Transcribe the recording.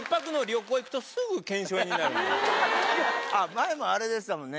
前もあれでしたもんね